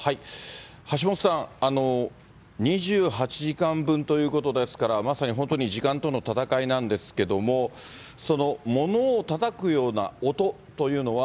橋本さん、２８時間分ということですから、まさに本当に時間との闘いなんですけれども、その物をたたくような音というのは、